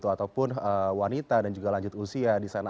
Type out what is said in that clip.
ataupun wanita dan juga lanjut usia di sana